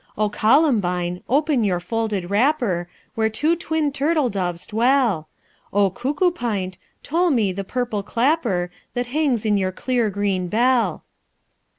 "O columbine, open your folded wrapper, Where two twin turtle doves dwell! O cuckoopint, toll me the purple clapper That hangs in your clear green bell!"